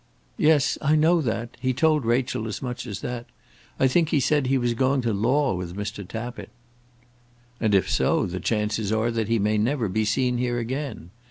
"Yes; I know that. He told Rachel as much as that. I think he said he was going to law with Mr. Tappitt." "And if so, the chances are that he may never be seen here again.